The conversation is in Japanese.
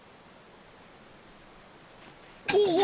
おお！